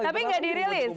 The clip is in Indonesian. tapi gak dirilis